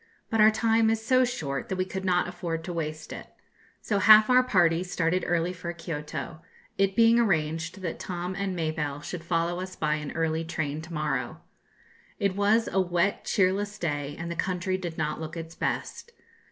But our time is so short, that we could not afford to waste it; so half our party started early for Kioto, it being arranged that Tom and Mabelle should follow us by an early train to morrow. It was a wet cheerless day, and the country did not look its best.